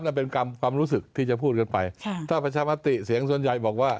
นั่นเป็นกรรมความรู้สึกที่จะพูดกันไปถ้าประชามติเสียงส่วนใหญ่บอกว่า